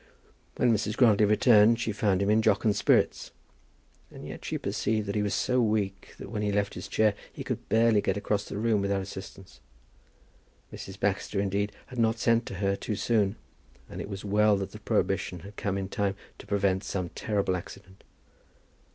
When Mrs. Grantly returned she found him in jocund spirits. And yet she perceived that he was so weak that when he left his chair he could barely get across the room without assistance. Mrs. Baxter, indeed, had not sent to her too soon, and it was well that the prohibition had come in time to prevent some terrible accident.